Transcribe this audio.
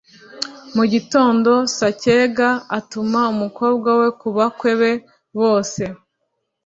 Mu gitondo, Sacyega atuma umukobwa we ku bakwe be bose